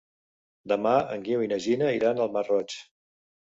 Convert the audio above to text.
Demà en Guiu i na Gina iran al Masroig.